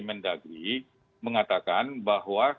mendagri mengatakan bahwa